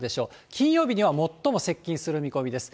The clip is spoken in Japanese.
金曜日には最も接近する見込みです。